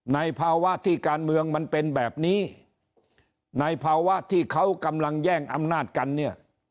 ในภาวะที่การเมืองมันเป็นแบบนี้ในภาวะที่เขากำลังแย่งอำนาจกันเนี่ย